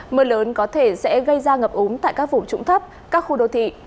mưa lớn có thể sẽ gây ra ngập úng tại các vùng trụng thấp các khu đô thị